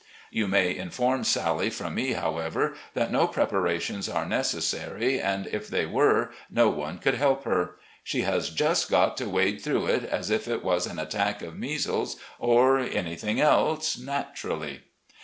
You may inform Sally from me, however, that no preparations are necessary, and if they were no one could help her. She has just got to wade through it as if it was an attack of measles or any thing else — naturally.